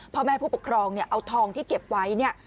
พ่อแม่ผู้ปกครองเนี่ยเอาทองที่เก็บไว้เนี่ย